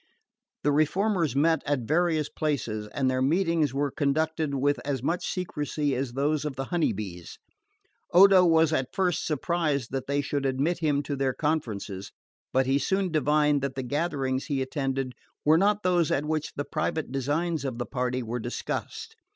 The reformers met at various places, and their meetings were conducted with as much secrecy as those of the Honey Bees. Odo was at first surprised that they should admit him to their conferences; but he soon divined that the gatherings he attended were not those at which the private designs of the party were discussed.